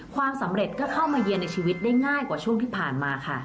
ความสำเร็จก็เข้ามาเยือนในชีวิตได้ง่ายกว่าช่วงที่ผ่านมาค่ะ